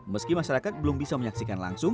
meski masyarakat belum bisa menyaksikan langsung